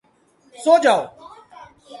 سو جاؤ!